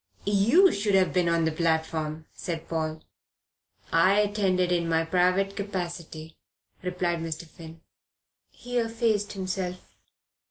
"You should have been on the platform," said Paul. "I attended in my private capacity," replied Mr. Finn. He effaced himself.